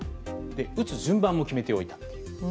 打つ順番も決めておいた。